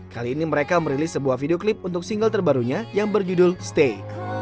kali ini mereka merilis sebuah video klip untuk single terbarunya yang berjudul stay